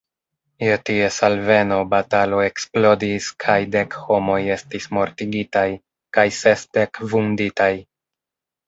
Je ties alveno batalo eksplodis kaj dek homoj estis mortigitaj kaj sesdek vunditaj.